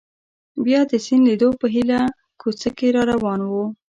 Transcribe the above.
بیا د سیند لیدو په هیله کوڅه کې را روان وو.